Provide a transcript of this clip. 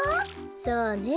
そうね。